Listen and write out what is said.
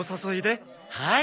はい。